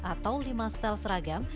atau lima setel seragam